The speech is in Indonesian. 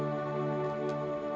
pesek air papi